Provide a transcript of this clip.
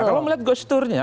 kalau melihat ghost turnya